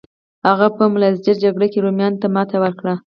هغه په ملازجرد جګړه کې رومیانو ته ماتې ورکړه.